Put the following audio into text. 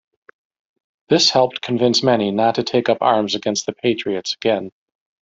This helped convince many not to take up arms against the Patriots again.